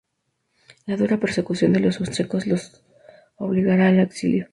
La dura persecución de los austríacos los obligará al exilio.